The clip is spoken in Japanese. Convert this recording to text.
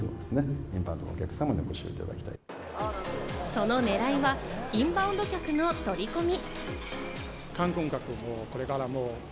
その狙いはインバウンド客の取り込み。